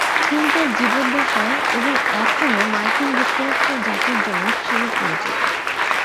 তিনি তার জীবদ্দশায় এবং এখনও মার্কিন যুক্তরাষ্ট্রের জাতির জনক হিসেবে পরিচিত।